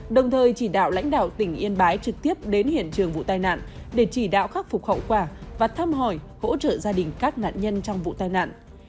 đồng thời chỉ đạo lãnh đạo tỉnh yên bái trực tiếp đến hiện trường vụ tai nạn để chỉ đạo khắc phục hậu quả và thăm hỏi hỗ trợ gia đình các nạn nhân trong vụ tai nạn